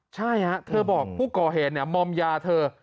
ใช่เธอบอกผู้ก่อเหตุมอมยาเธอ